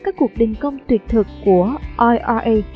các cuộc đình công tuyệt thực của ira